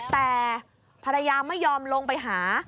แต่ภรรยาไม่ยอมลงไปหา